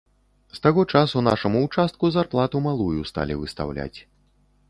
З таго часу нашаму ўчастку зарплату малую сталі выстаўляць.